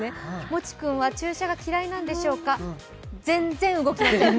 もち君は注射が嫌いなんでしょうか、全然動きません。